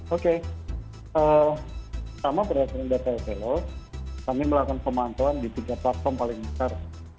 oke pertama berdasarkan data esolo kami melakukan pemantauan di tiga platform paling besar